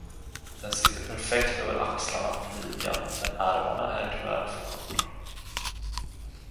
Den sitter perfekt över axlarna och midjan, men ärmarna är tyvärr för korta.